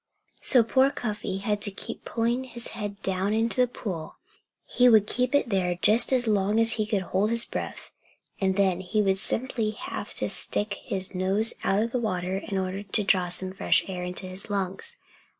So poor Cuffy had to keep pulling his head down into the pool. He would keep it there just as long as he could hold his breath; and then he would simply have to stick his nose out of the water in order to draw some fresh air into his lungs.